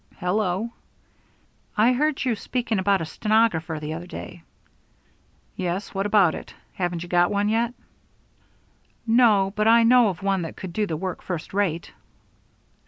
"Hello?" "I heard you speaking about a stenographer the other day." "Yes what about it? Haven't you got one yet?" "No, but I know of one that could do the work first rate."